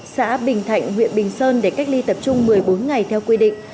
xã bình thạnh huyện bình sơn để cách ly tập trung một mươi bốn ngày theo quy định